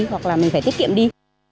hoặc là mình phải tiết kiệm đi